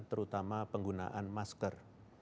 terutama penggunaan masker